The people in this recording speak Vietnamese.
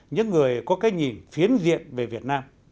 những người có cái nhìn phiến diện về việt nam